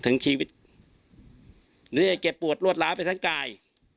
ถึงชีวิตเหมือนจะเก็บปวดรวดหลาไปทั้งกาย